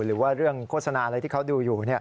หรือว่าเรื่องโฆษณาอะไรที่เขาดูอยู่